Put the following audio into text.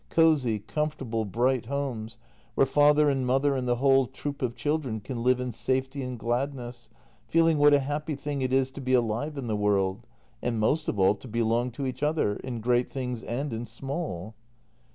Cosy, comfortable, bright homes, where father and mother and the whole troop of children can live in safety and gladness, feeling what a happy thing it is to be alive in the world — and most of all to belong to each other — in great things and in small.